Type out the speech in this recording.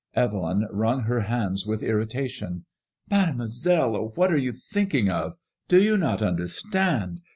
Evelyn wrung her hands with irritation. " Mademoiselle, oh, what are you thinking of? Do you not understand